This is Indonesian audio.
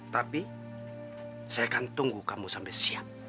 tapi saya akan tunggu kamu sampai siap